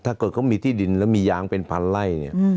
ถ้าเกิดเขามีที่ดินแล้วมียางเป็นพันไล่เนี่ย